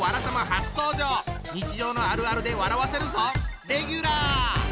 日常のあるあるで笑わせるぞ！